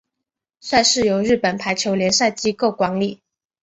赛事由日本排球联赛机构管理。